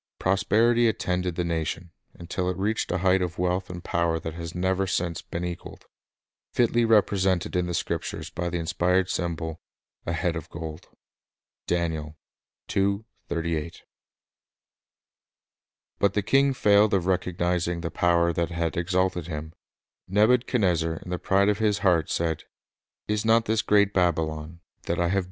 Prosperity attended the nation, until it reached Babylon a height of wealth and power that has never since been equaled, — fitly represented in the Scriptures by the inspired symbol, a "head of gold." 4 But the king failed of recognizing the power that had exalted him. Nebuchadnezzar in the pride of his heart said: "Is not this great Babylon, that I have built t Prov. 14 : 34 ; 16: 12; 20: 28.